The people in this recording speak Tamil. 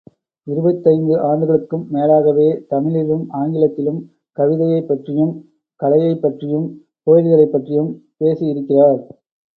இருபத்தைந்து ஆண்டுகளுக்கும் மேலாகவே, தமிழிலும் ஆங்கிலத்திலும் கவிதையைப் பற்றியும், கலையைப் பற்றியும், கோயில்களைப் பற்றியும் பேசி இருக்கிறார்.